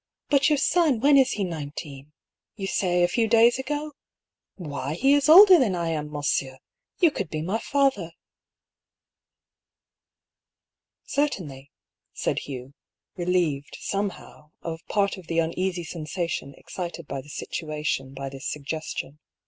But your son, when is he nineteen ? You say, a few days ago ? Why, he is older than I am, monsieur? You could be my father." " Certainly," said Hugh, relieved, somehow, of part of the uneasy sensation excited by the situation by this suggestion.